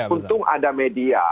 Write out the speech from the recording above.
untung ada media